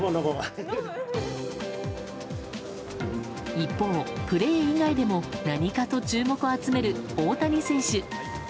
一方、プレー以外でも何かと注目を集める大谷選手。